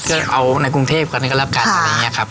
ก็เอาในกรุงเทพกันก็แล้วกันอะไรอย่างนี้ครับ